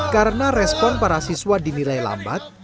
karena respon para siswa dinilai lambat